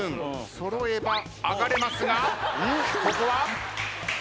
揃えば上がれますがここは。